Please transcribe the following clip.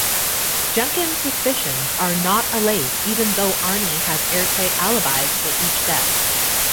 Junkins' suspicions are not allayed even though Arnie has airtight alibis for each death.